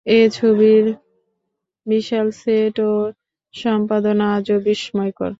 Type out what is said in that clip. এ ছবির বিশাল সেট ও সম্পাদনা আজও বিস্ময়কর।